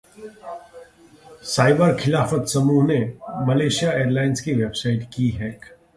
‘cyber खिलाफत समूह’ ने मलेशिया एयरलाइंस की वेबसाइट की हैक